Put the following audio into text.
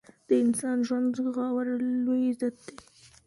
د انسان ژوند ژغورل لوی عزت دی.